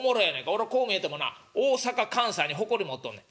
俺こう見えてもな大阪関西に誇り持っとんねん。